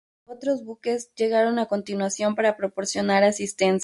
Otros buques llegaron a continuación para proporcionar asistencia.